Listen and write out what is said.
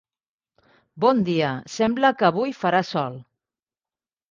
Bon dia, sembla que avui farà sol.